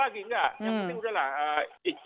ya nanti udah lah